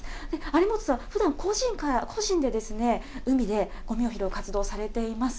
有本さん、ふだん、個人で、海でごみを拾う活動をされています。